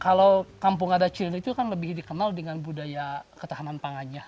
kalau kampung adat ciliwn itu kan lebih dikenal dengan budaya ketahanan pangannya